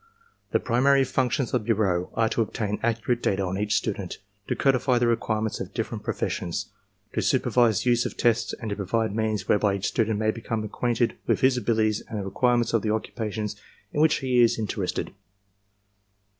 " The primary functions of the bureau are, to obtain accurate data on each student, to codify the requirements of different professions, to supervise the use of tests and to provide means whereby each student may become acquainted with his abilities and the requirements of the occupations in which he is inter ested.